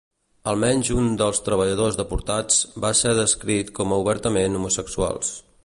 Almenys un dels treballadors deportats va ser descrit com obertament homosexuals.